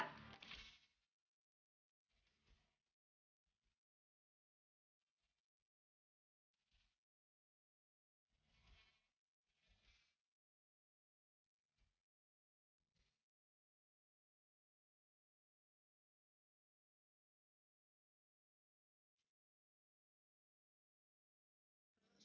baca ini surat